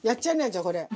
じゃあこれ。